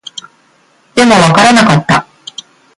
でも、わからなかった